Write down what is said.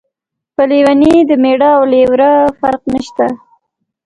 په لیونۍ د مېړه او لېوره فرق نشته.